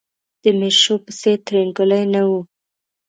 د میرشو په څېر ترینګلی نه و.